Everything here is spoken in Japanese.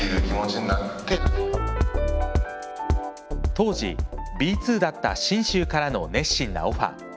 当時、Ｂ２だった信州からの熱心なオファー。